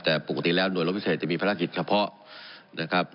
แต่ปกติแล้วหน่วยรบพิเศษจะมีภารกิจเฉพาะนะครับ